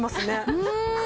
うん！